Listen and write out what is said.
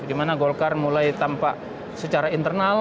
di mana golkar mulai tampak secara internal